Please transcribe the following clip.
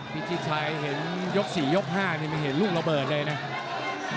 พิชิชัยเห็นยก๔ยก๕นี่มันเห็นร่วงระเบิดใช่ไหม